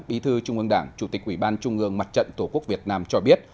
bí thư trung ương đảng chủ tịch ủy ban trung ương mặt trận tổ quốc việt nam cho biết